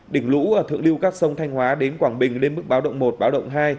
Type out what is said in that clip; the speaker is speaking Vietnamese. đỉnh lũ ở thượng lưu các sông thanh hóa đến quảng bình lên mức báo động một báo động hai